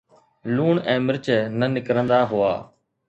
لوڻ ۽ مرچ نه نڪرندا هئا